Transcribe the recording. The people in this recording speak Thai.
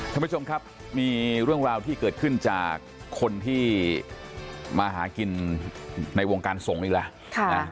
ท่านผู้ชมครับมีเรื่องราวที่เกิดขึ้นจากคนที่มาหากินในวงการสงฆ์อีกแล้ว